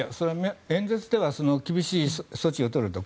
演説では厳しい措置をとると。